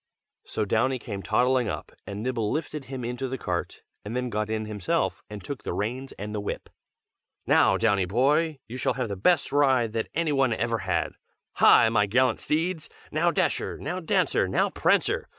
So Downy came toddling up, and Nibble lifted him into the cart, and then got in himself, and took the reins and the whip. "Now, Downy boy, you shall have the best ride that any one ever had. Hi! my gallant steeds! Now Dasher, now Dancer, now Prancer!